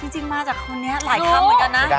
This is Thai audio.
จริงมาจากคนนี้หลายคำเหมือนกันนะ